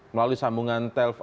melalui sambungan telpon